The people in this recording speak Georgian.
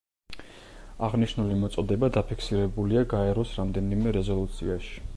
აღნიშნული მოწოდება დაფიქსირებულია გაეროს რამდენიმე რეზოლუციაში.